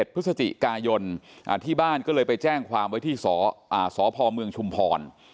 พฤศจิกายนที่บ้านก็เลยไปแจ้งความไว้ที่สพเมืองชุมพร